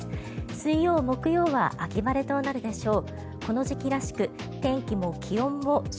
水曜、木曜は秋晴れとなるでしょう。